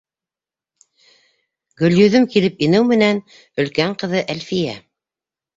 Гөлйөҙөм килеп инеү менән өлкән ҡыҙы Әлфиә: